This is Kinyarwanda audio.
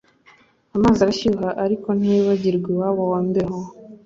Amazi arashyuha ariko ntiyibagirwa iwabo wa mbeho